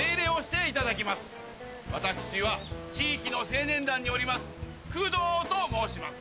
私は地域の青年団におります工藤と申します。